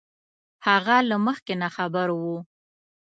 هغه له مخکې نه خبر وو